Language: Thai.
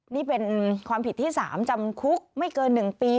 นี่เป็นความผิดที่๓จำคุกไม่เกิน๑ปี